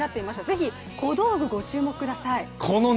ぜひ小道具、ご注目ください。